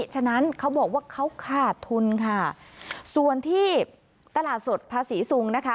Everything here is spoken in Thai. ฉะนั้นเขาบอกว่าเขาขาดทุนค่ะส่วนที่ตลาดสดภาษีซุงนะคะ